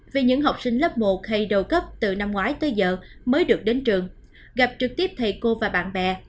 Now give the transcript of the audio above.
vì những học sinh lớp một hay đầu cấp từ năm ngoái tới giờ mới được đến trường gặp trực tiếp thầy cô và bạn bè